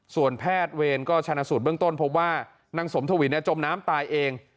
ส่วนแพทย์เวรก็ชนะสูตรเบื้องต้นพบว่านางสมทวินจมน้ำตายเอง